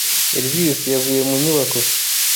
Elvis yavuye mu nyubako.